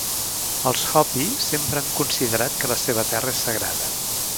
Els hopi sempre han considerat que la seva terra és sagrada.